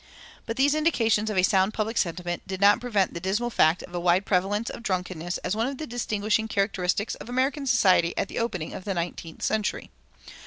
But these indications of a sound public sentiment did not prevent the dismal fact of a wide prevalence of drunkenness as one of the distinguishing characteristics of American society at the opening of the nineteenth century.